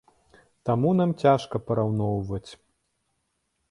Таму нам цяжка параўноўваць.